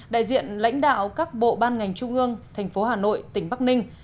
đại diện lãnh đạo các bộ ban ngành trung ương thành phố hà nội tỉnh bắc ninh